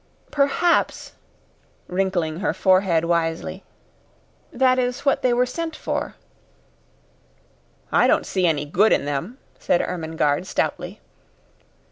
Perhaps" wrinkling her forehead wisely "that is what they were sent for." "I don't see any good in them," said Ermengarde stoutly.